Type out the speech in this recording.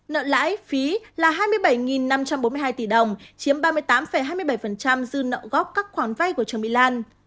nợ lãi phí là hai mươi bảy năm trăm bốn mươi hai tỷ đồng chiếm ba mươi tám hai mươi bảy dư nợ gốc các khoản vay của trương mỹ lan